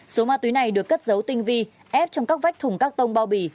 số ma túy này được cất dấu tinh vi ép trong các vách thùng các tông bao bì